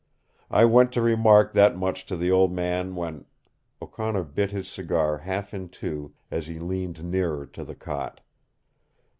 I went to remark that much to the Old Man when " O'Connor bit his cigar half in two as he leaned nearer to the cot.